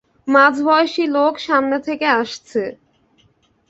মাঝবয়সী লোক, সামনে থেকে আসছে।